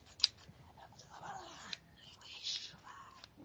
Она поцеловала Анну и вышла.